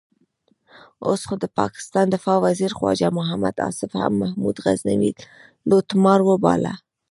اوس خو د پاکستان دفاع وزیر خواجه محمد آصف هم محمود غزنوي لوټمار وباله.